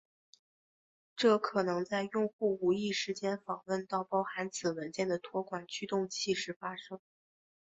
这可能在用户无意间访问到包含此文件的托管驱动器时发生。